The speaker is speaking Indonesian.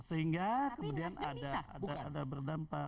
sehingga kemudian ada berdampak